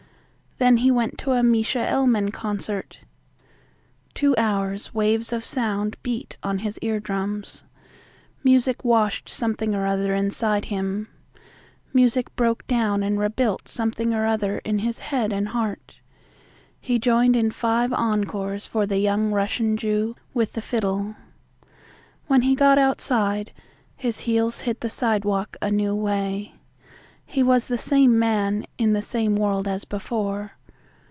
Then he went to a Mischa Elman concert. Two hours waves of sound beat on his eardrums. Music washed something or other inside him. Music broke down and rebuilt something or other in his head and heart. He joined in five encores for the young Russian Jew with the fiddle. When he got outside his heels hit the sidewalk a new way. He was the same man in the same world as before.